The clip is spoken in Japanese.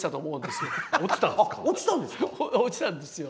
落ちたんですか？